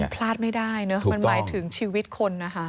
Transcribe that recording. พลาดไม่ได้เนอะมันหมายถึงชีวิตคนนะคะ